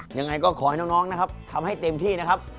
ยังไงก็ขอให้น้องนะครับทำให้เต็มที่นะครับ